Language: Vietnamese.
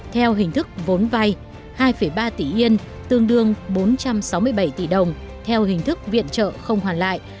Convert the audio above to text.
theo hình thức vốn vay hai ba tỷ yên tương đương bốn trăm sáu mươi bảy tỷ đồng theo hình thức viện trợ không hoàn lại